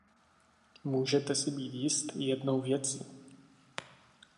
Můžete si být jist jednou věcí.